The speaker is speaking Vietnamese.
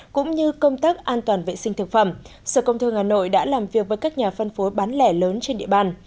cũng như công tác an toàn vệ sinh thực phẩm sở công thương hà nội đã làm việc với các nhà phân phối bán lẻ lớn trên địa bàn